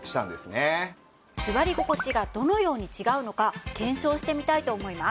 座り心地がどのように違うのか検証してみたいと思います。